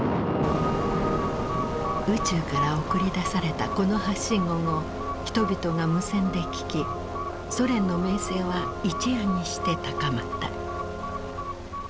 宇宙から送り出されたこの発信音を人々が無線で聞きソ連の名声は一夜にして高まった。